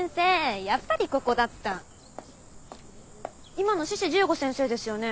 今の志士十五先生ですよね。